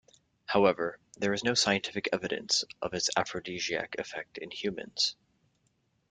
However, there is no scientific evidence of its aphrodisiac effects in humans.